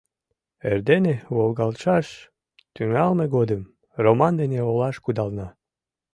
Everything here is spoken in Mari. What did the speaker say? Эрдене, волгалташ тӱҥалме годым, Роман дене олаш кудална.